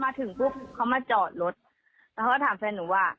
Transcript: ถึงปุ๊บเขามาจอดรถแล้วเขาก็ถามแฟนหนูว่า